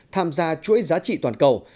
tham gia chuỗi giá trị toàn cầu